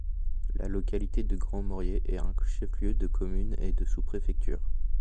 La localité de Grand-Morié est un chef-lieu de commune et de sous-préfecture.